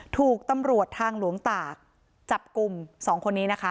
ถูกตำรวจทางหลวงตากจับกลุ่ม๒คนนี้นะคะ